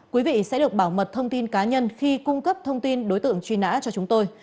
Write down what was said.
quý vị sẽ được bảo mật thông tin cá nhân khi cung cấp thông tin đối tượng truy nã cho chúng tôi